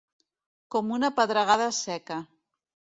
Com una pedregada seca.